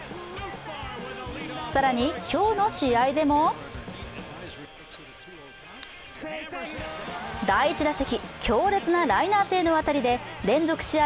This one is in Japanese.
更に、今日の試合でも第１打席、強烈なライナー性の当たりで連続試合